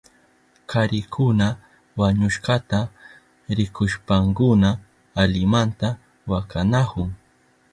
Karikuna wañushkata rikushpankuna alimanta wakanahun.